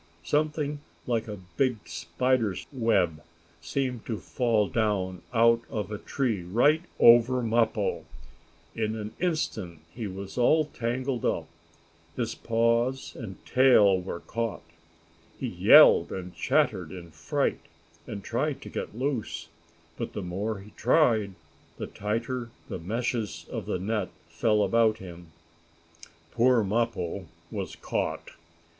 Something like a big spider's web seemed to fall down out of a tree right over Mappo. In an instant he was all tangled up his paws and tail were caught. He yelled and chattered in fright, and tried to get loose, but the more he tried, the tighter the meshes of the net fell about him. Poor Mappo was caught.